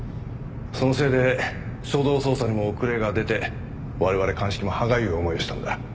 そのせいで初動捜査にも遅れが出て我々鑑識も歯がゆい思いをしたんだ。